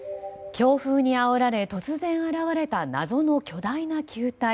強風にあおられ突然現れた謎の巨大な球体。